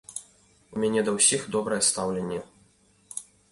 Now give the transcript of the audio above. У мяне да ўсіх добрае стаўленне.